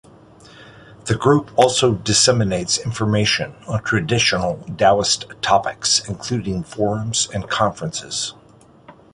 The group also disseminates information on traditional Taoist topics, including forums and conferences.